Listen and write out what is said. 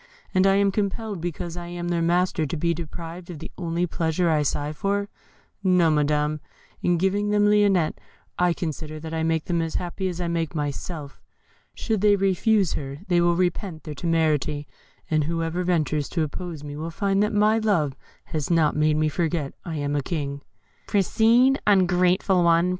And am I compelled, because I am their master, to be deprived of the only pleasure I sigh for? No, Madam; in giving them Lionette I consider that I make them as happy as I make myself. Should they refuse to receive her, they will repent their temerity; and whoever ventures to oppose me will find that my love has not made me forget I am a king." "Proceed, ungrateful one!